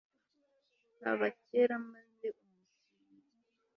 Nk aba kera Maze umutindi